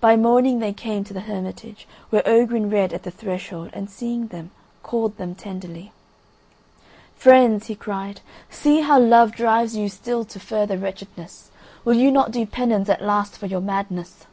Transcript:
By morning they came to the Hermitage, where Ogrin read at the threshold, and seeing them, called them tenderly: "Friends," he cried, "see how Love drives you still to further wretchedness. Will you not do penance at last for your madness?"